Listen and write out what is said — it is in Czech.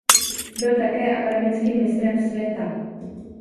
Byl také akademickým mistrem světa.